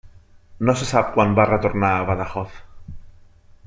No se sap quan va retornar a Badajoz.